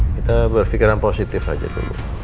kita berpikiran positif aja tuh